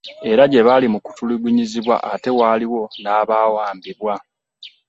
Era gye bali mukutulugunyizibwa ate waliwo n'abaawambibwa